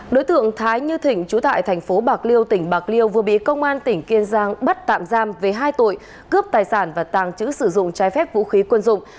đối tượng thái như thịnh trú tại thành phố bạc liêu tỉnh bạc liêu vừa bị công an tỉnh kiên giang bắt tạm giam về hai tội cướp tài sản và tàng trữ sử dụng trái phép vũ khí quân dụng